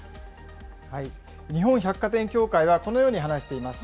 日本百貨店協会はこのように話しています。